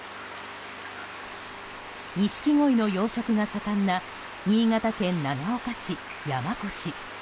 ニシキゴイの養殖が盛んな新潟県長岡市山古志。